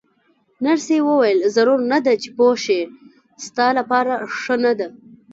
نرسې وویل: ضرور نه ده چې پوه شې، ستا لپاره ښه نه ده.